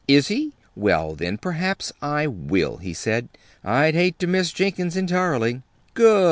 "Is he? Well, then, perhaps I will," he said. "I'd hate to miss Jenkins entirely." "Good!"